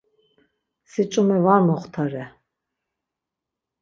Si ç̌ume var moxtare.